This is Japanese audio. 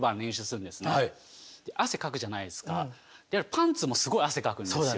パンツもすごい汗かくんですよ。